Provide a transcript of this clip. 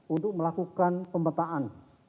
untuk melakukan pemetaan